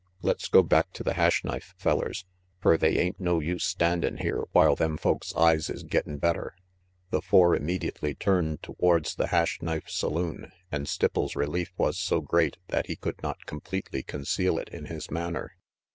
"Let's go back to the Hash Knife, fellers, fer they ain't no use standin' here while them folks' eyes is gettin' better." The four immediately turned towards the Hash Knife saloon, and Stipples' relief was so great that he could not completely conceal it in his manner.